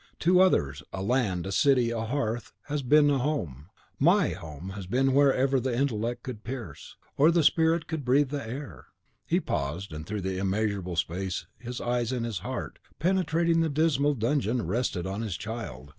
To others, a land, a city, a hearth, has been a home; MY home has been wherever the intellect could pierce, or the spirit could breathe the air." He paused, and through the immeasurable space his eyes and his heart, penetrating the dismal dungeon, rested on his child.